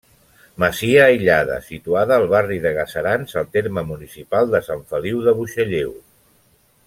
Masia aïllada, situada al barri de Gaserans, al terme municipal de Sant Feliu de Buixalleu.